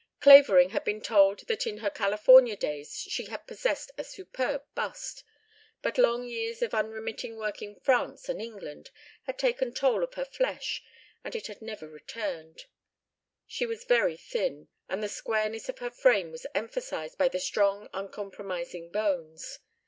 Clavering had been told that in her California days she had possessed a superb bust, but long years of unremitting work in France and England had taken toll of her flesh and it had never returned; she was very thin and the squareness of her frame was emphasized by the strong uncompromising bones.